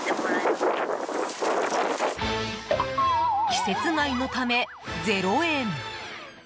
季節外のため、０円。